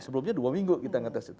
sebelumnya dua minggu kita ngetes itu